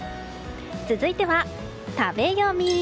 続いては食べヨミ。